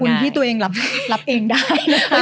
คุณที่ตัวเองรับเองได้